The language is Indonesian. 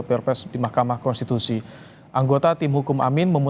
even benda itu bisa diinggik atau meninggalkan